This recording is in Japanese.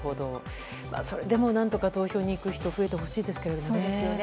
それでも何とか投票に行く人増えてほしいですけれどもね。